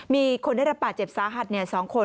มีคนได้รับบาดเจ็บสาหัส๒คน